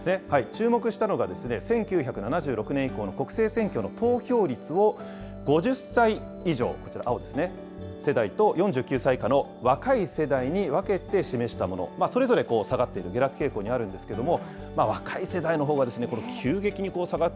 注目したのが、１９７６年以降の国政選挙の投票率を５０歳以上、こちら青ですね、４９歳以下の若い世代に分けて示したもの、それぞれ下がっている、下落傾向にあるんですけれども。